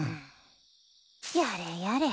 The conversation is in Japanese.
やれやれ。